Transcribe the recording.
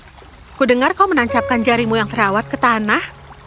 aku dengar kau menancapkan jarimu yang terawat ke tanah